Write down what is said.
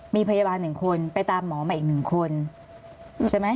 มีพยาบาล๑คนไปตามหมอมาอีกหนึ่งคนใช่ไหม